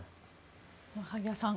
萩谷さん